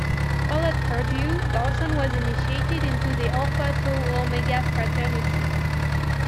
While at Purdue, Dawson was initiated into the Alpha Tau Omega fraternity.